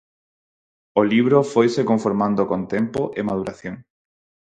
O libro foise conformando con tempo e maduración.